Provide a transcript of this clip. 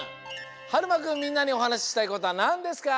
はるまくんみんなにおはなししたいことはなんですか？